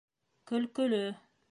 Көлкөлө